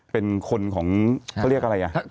เป็นคนของเขาเรียกอะไรอ่ะ